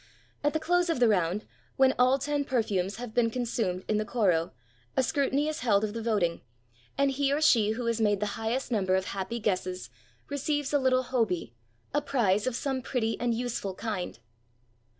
At the close of the round, when all ten perfumes have been consumed in the koro, a scrutiny is held of the voting, and he or she who has made the highest number of happy guesses receives a little hohi, a prize of some pretty and useful kind.